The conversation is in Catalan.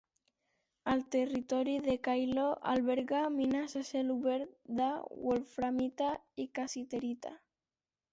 El territori de Kailo alberga mines a cel obert de wolframita i cassiterita.